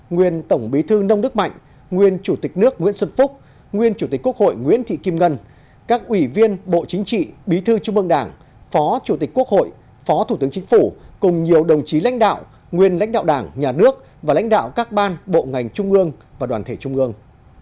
nguyên tổng bí thư nông đức mạnh nguyên chủ tịch nước nguyễn xuân phúc nguyên chủ tịch quốc hội nguyễn thị kim ngân các ủy viên bộ chính trị bí thư trung ương đảng phó chủ tịch quốc hội phó thủ tướng chính phủ cùng nhiều đồng chí lãnh đạo nguyên lãnh đạo đảng nhà nước và lãnh đạo các ban bộ ngành trung ương và đoàn thể trung ương